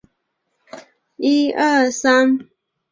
在许多的案例中记载有这种疾病。